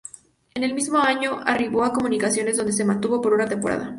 En el mismo año arribó a Comunicaciones, donde se mantuvo por una temporada.